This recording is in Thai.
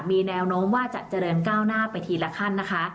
มีแนวโน้มว่าจะเจริญก้าวหน้าไปทีละขั้นนะคะ